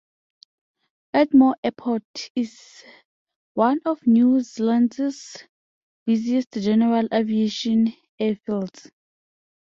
Ardmore Airport is one of New Zealand's busiest general aviation airfields.